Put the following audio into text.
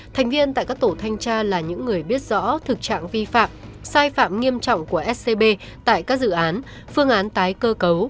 thành viên tại các tổ thanh tra là những người biết rõ thực trạng vi phạm sai phạm nghiêm trọng của scb tại các dự án phương án tái cơ cấu